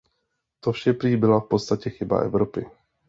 To vše prý byla v podstatě chyba Evropy.